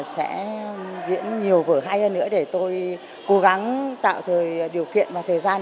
sẽ diễn nhiều vở hay hơn nữa để tôi cố gắng tạo thời điều kiện và thời gian